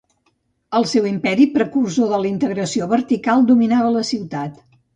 El seu imperi, precursor de la integració vertical, dominava la ciutat.